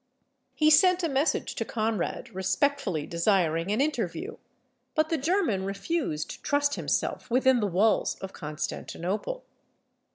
He sent a message to Conrad respectfully desiring an interview, but the German refused to trust himself within the walls of Constantinople.